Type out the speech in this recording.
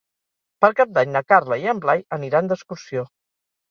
Per Cap d'Any na Carla i en Blai aniran d'excursió.